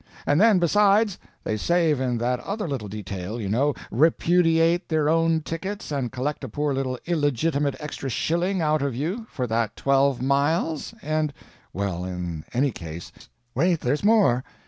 And then, besides, they save in that other little detail, you know repudiate their own tickets, and collect a poor little illegitimate extra shilling out of you for that twelve miles, and " "Well, in any case " "Wait there's more.